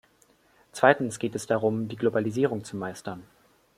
Zweitens geht es darum, die Globalisierung zu meistern.